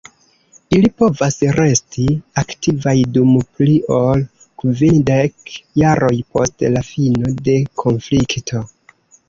Ili povas resti aktivaj dum pli ol kvindek jaroj post la fino de konflikto.